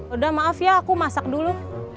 udah maaf ya aku masak dulu